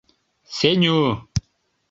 Сеню.